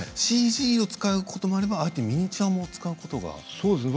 ＣＧを使うこともあればミニチュアも使うことがあるんですね。